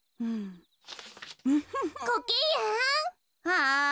はい。